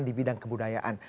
di bidang kebudayaan